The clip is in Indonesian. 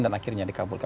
dan akhirnya dikabulkan